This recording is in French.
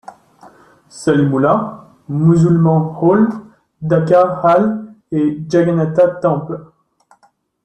Salimullah musulman Hall, Dacca Hall et Jagannath Temple.